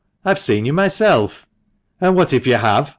I have seen you myself." " And what if you have